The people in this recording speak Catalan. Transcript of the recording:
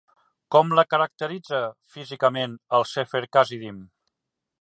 Com la caracteritza, físicament, el Sefer Chasidim?